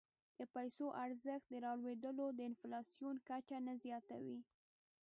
د پیسو ارزښت رالوېدل د انفلاسیون کچه نه زیاتوي.